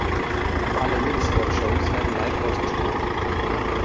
Alle Mix Squad Shows werden live ausgestrahlt.